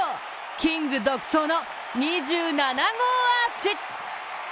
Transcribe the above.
キング独走の２７号アーチ！